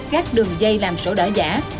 gác đường dây làm sổ đỏ giả